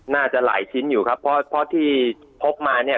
น่าจะหลายชิ้นอยู่ครับเพราะที่พบมาเนี่ย